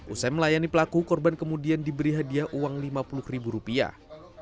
usai melayani pelaku korban kemudian diberi hadiah uang lima puluh ribu rupiah